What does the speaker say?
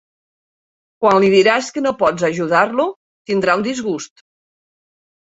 Quan li diràs que no pots ajudar-lo tindrà un disgust!